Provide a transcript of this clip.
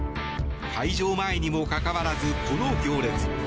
開場前にもかかわらずこの行列。